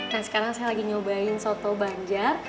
nah sekarang saya lagi nyobain soto banjar